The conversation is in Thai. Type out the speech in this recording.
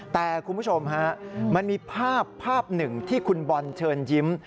แต่คุณผู้ชมฮะมันมีภาพภาพหนึ่งที่คุณบอลเชิญยิ้ม